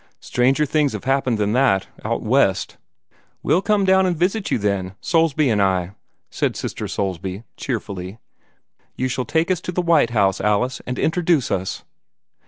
Stranger things have happened than that, out West!" "We'll come down and visit you then, Soulsby and I," said Sister Soulsby, cheerfully. "You shall take us to the White House, Alice, and introduce us."